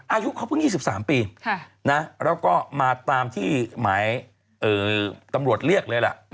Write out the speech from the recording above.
อายุเขาเพิ่ง๒๓ปีนะแล้วก็มาตามที่หมายตำรวจเรียกเลยล่ะ